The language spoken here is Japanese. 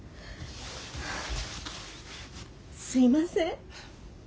すいません。